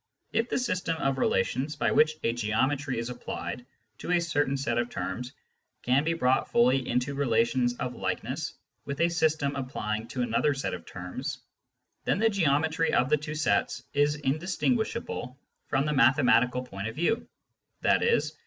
If the system of relations by which a geometry is applied to a certain set of terms can be brought fully into relations of likeness with a system applying to another set of terms, then the geometry of the two sets is indistinguishable from the mathematical point of view, i.e.